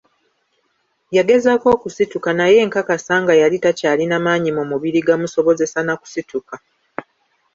Yagezaako okusituka, naye nkakasa nga yali takyalina maanyi mu mubiri gamusobozesa na kusituka.